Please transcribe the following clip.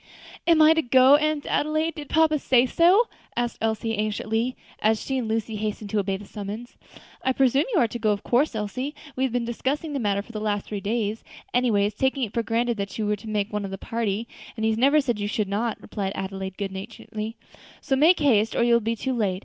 "Am I to go, Aunt Adelaide? did papa say so?" asked Elsie anxiously, as she and Lucy hastened to obey the summons. "I presume you are to go of course, Elsie; we have been discussing the matter for the last three days, always taking it for granted that you were to make one of the party, and he has never said you should not," replied Adelaide, good naturedly; "so make haste, or you will be too late.